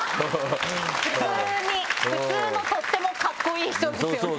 普通に普通のとってもカッコいい人ですよね。